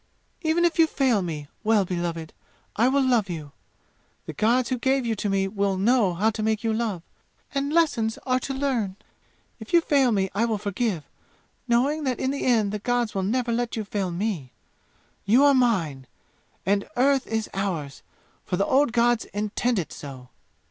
"Even if you fail me, Well beloved, I will love you! The gods who gave you to me will know how to make you love; and lessons are to learn. If you fail me I will forgive, knowing that in the end the gods will never let you fail me! You are mine, and Earth is ours, for the old gods intend it so!"